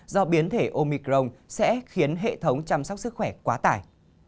do biến thể omicron sẽ khiến hệ thống chăm sóc sức khỏe quá tải